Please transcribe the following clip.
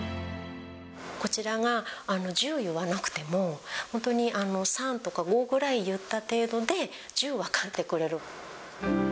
こちらが１０言わなくても、本当に、３とか５ぐらい言った程度で、１０分かってくれる。